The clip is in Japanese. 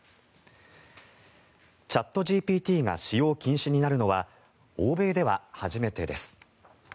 チャットＧＰＴが使用禁止になるのは欧米では初めてです。